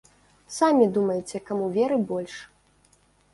Самі думайце, каму веры больш.